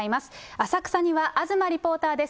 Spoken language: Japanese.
浅草には東リポーターです。